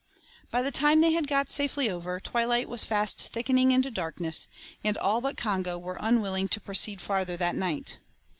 By the time they had got safely over, twilight was fast thickening into darkness, and all but Congo were unwilling to proceed farther that night.